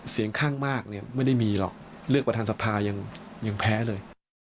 เสียงข้างมากเนี่ยไม่ได้มีหรอกเลือกประธานสภายังแพ้เลย